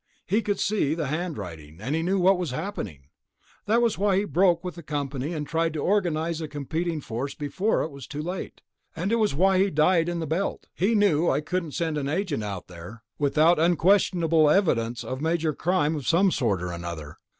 He could see the handwriting, he knew what was happening. That was why he broke with the company and tried to organize a competing force before it was too late. And it was why he died in the Belt. He knew I couldn't send an agent out there without unquestionable evidence of major crime of some sort or another.